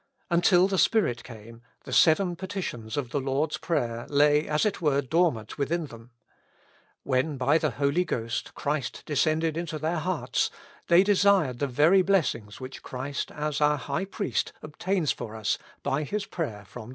Until the Spirit came, the seven petitions of the Lord's prayer lay as it were dormant within them. When by the Holy Ghost Christ descended into their hearts, they desired the very blessings which Christ as our High Priest obtains for us by His prayer from the Father.